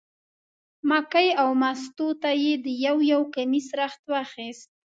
مکۍ او مستو ته یې د یو یو کمیس رخت واخیست.